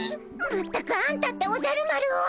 全くあんたっておじゃる丸は！